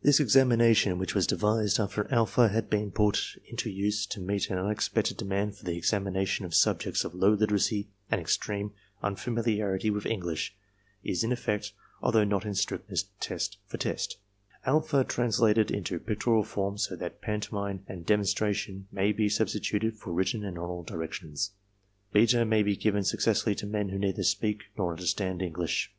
This examination, which was devised after alpha had been put into use to meet an unexpected demand for the examination of subjects of low literacy and extreme unfamiliarity with English, is in effect, although not in strictness test for test, alpha translated into pictorial form so that pantomime and demon METHODS AND RESULTS 17 stration may be substituted for written and oral directions. Beta may be given successfully to men who neither speak nor understand English.